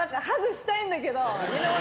ハグしたいんだけど。